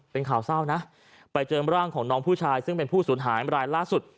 เป็นข่าวเศร้านะไปเจอร่างของน้องผู้ชายซึ่งเป็นผู้สูญหายรายล่าสุด